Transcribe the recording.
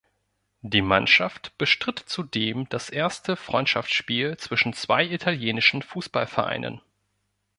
Die Mannschaft bestritt zudem das erste Freundschaftsspiel zwischen zwei italienischen Fußballvereinen.